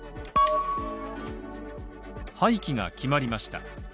廃棄が決まりました。